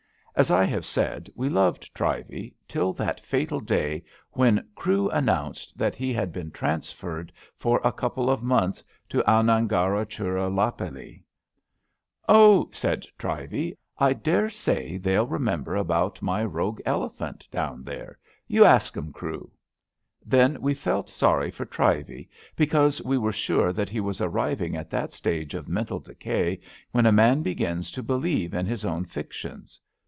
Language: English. As I have said, we loved Trivey, till that fatal day when Crewe announced that he had been transferred for a couple of 82 ABAFT THE FUNNEL months to Ammgaracharlupillay. ^* Oh! '' said Trivey, I dare say they'll remember about my rogue elephant down there. You ask 'em, Crewe/* Then we felt sorry for Trivey, because we were sure that he was arriving at that stage of mental decay when a man begins to believe in his own fictions.